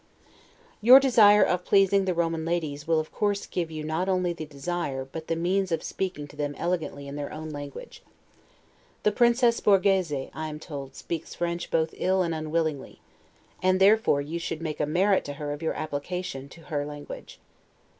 Your desire of pleasing the Roman ladies will of course give you not only the desire, but the means of speaking to them elegantly in their own language. The Princess Borghese, I am told, speaks French both ill and unwillingly; and therefore you should make a merit to her of your application to her language.